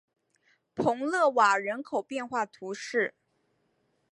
蓬勒瓦人口变化图示